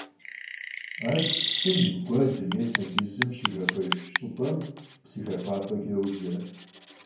Ar psım, guelım yê têncızım şıxexuejj ş'ıp'em psıxexuap'eç'e yoce.